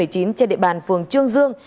trên địa bàn phường trương dương